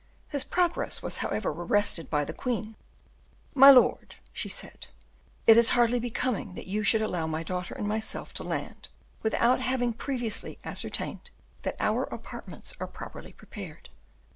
His progress was, however, arrested by the queen. "My lord," she said, "it is hardly becoming that you should allow my daughter and myself to land without having previously ascertained that our apartments are properly prepared.